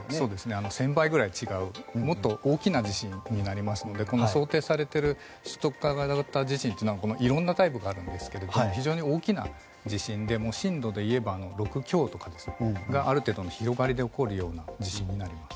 １０００倍ぐらい違うもっと大きな地震になりますのでこの想定される首都直下地震はいろんなタイプがありますが非常に大きな地震で震度でいえば６強とかが起こるような地震になります。